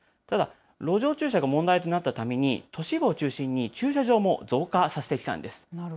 ただ路上駐車が問題となったために、都市部を中心に駐車場も増加させてきたんです。